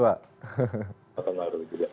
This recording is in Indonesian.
selamat tahun baru juga